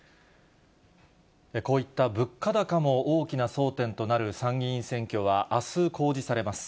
こういった物価高も大きな争点となる参議院選挙は、あす公示されます。